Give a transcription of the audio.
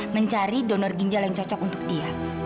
mencari donor ginjal yang cocok untuk dia